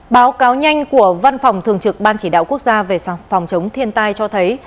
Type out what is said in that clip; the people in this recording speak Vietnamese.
báo cáo nhanh của văn phòng thường trực ban chỉ đạo quốc gia về phòng chống thiên tai cho thấy